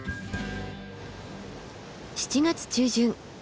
７月中旬。